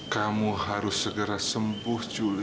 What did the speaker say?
kamu harus segera sembuh juli